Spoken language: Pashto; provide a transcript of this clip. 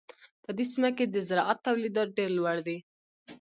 په دې سیمه کې د زراعت تولیدات ډېر لوړ دي.